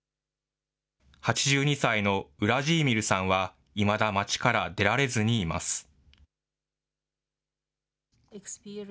８２歳のウラジーミルさんは、いまだ街から出られずにいます。